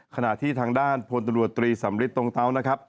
ขณะที่ทางด้านพลตำรวจตรีสำริทตรงเตานะครับ